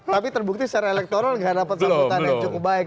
tapi terbukti secara elektoral nggak dapat sambutan yang cukup baik